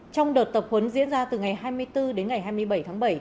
trong đợt tập huấn diễn ra từ ngày hai mươi bốn đến ngày hai mươi bảy tháng bảy